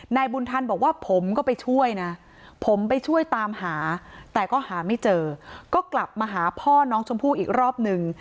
นายบุญธันบอกว่าผมก็ไปช่วยนะผมไปช่วยตามหาแต่ก็หาไม่เจอก็กลับมาหาพ่อน้องชมพู่อีกรอบนึง